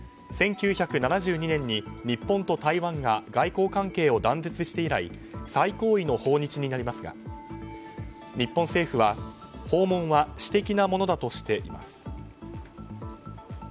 １９７２年に日本と台湾が外交関係を断絶して以来最高位の訪日になりますが日本政府は訪問は私的なものだとしています。